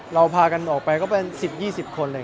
เราพากันออกไปก็เป็น๑๐๒๐คนเลย